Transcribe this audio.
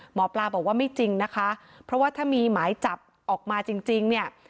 หมอปลาบอกว่าไม่จริงนะคะเพราะว่าถ้ามีหมายจับออกมาจริงเนี่ย